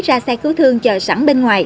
ra xe cứu thương chờ sẵn bên ngoài